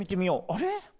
あれ？